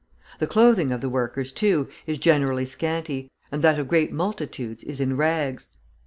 The clothing of the workers, too, is generally scanty, and that of great multitudes is in rags.